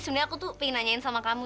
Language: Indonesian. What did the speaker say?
sebenernya aku tuh pingin nanyain sama kamu